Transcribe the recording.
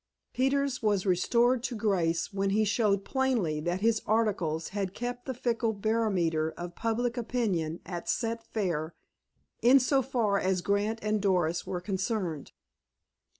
Peters was restored to grace when he showed plainly that his articles had kept the fickle barometer of public opinion at "set fair," in so far as Grant and Doris were concerned.